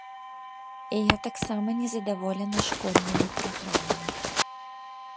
І я таксама незадаволены школьнымі праграмамі.